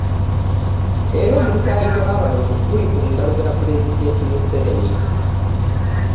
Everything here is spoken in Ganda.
Era omusaayi gwa bano guli ku ngalo za Pulezidenti Museveni